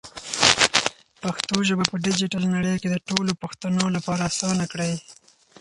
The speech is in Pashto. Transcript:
پښتو ژبه په ډیجیټل نړۍ کې د ټولو پښتنو لپاره اسانه کړئ.